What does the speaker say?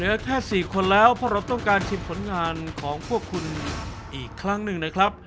เหลือแค่๔คนแล้วเพราะเราต้องการชิมผลงานของพวกคุณอีกครั้งหนึ่งนะครับ